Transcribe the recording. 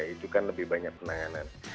itu kan lebih banyak penanganan